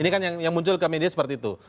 ini kan yang muncul ke media seperti itu